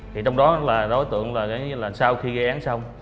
thì trong đó là đối tượng là sau khi gây án xong